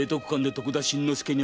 徳田新之助と？